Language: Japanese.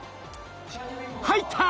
入った！